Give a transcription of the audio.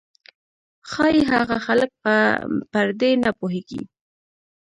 ښايي هغه خلک به پر دې نه پوهېږي.